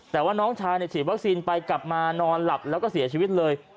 แต่ว่าน้องชายฉีดวัคซีนไปกลับมานอนหลับแล้วก็เสียชีวิตเลย